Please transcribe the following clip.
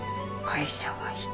会社は人。